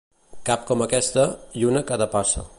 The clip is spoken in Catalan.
Cap com aquesta, i una a cada passa.